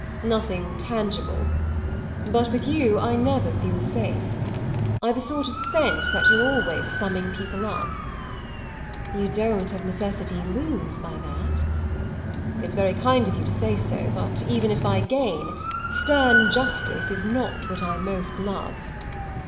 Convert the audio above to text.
"Nothing tangible. But with you I never feel safe. I've a sort of sense that you're always summing people up." "You don't of necessity lose by that." "It's very kind of you to say so; but, even if I gain, stern justice is not what I most love.